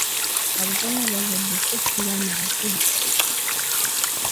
Abo baba bazadde sso si baana bato.